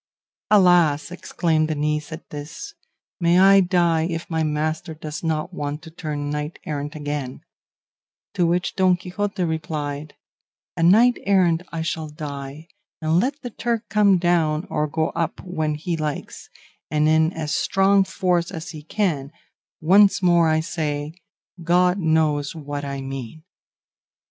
"Alas!" exclaimed the niece at this, "may I die if my master does not want to turn knight errant again;" to which Don Quixote replied, "A knight errant I shall die, and let the Turk come down or go up when he likes, and in as strong force as he can, once more I say, God knows what I mean."